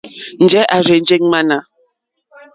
Njɛ̂ à rzênjé ŋmánà.